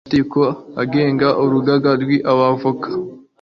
amategeko agenga urugaga rw 'aba voka